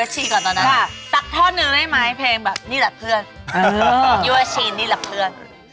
สักท่อนึงได้ไหมเฮอนี่แหละเพื่อน